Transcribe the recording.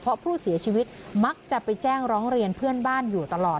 เพราะผู้เสียชีวิตมักจะไปแจ้งร้องเรียนเพื่อนบ้านอยู่ตลอด